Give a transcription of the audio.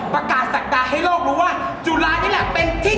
ประกาศศักดาให้โลกรู้ว่าจุฬานี่แหละเป็นที่